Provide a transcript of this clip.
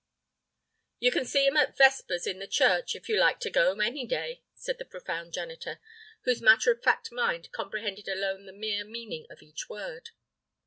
"You can see him at vespers in the church, if you like to go, any day," said the profound janitor, whose matter of fact mind comprehended alone the mere meaning of each word.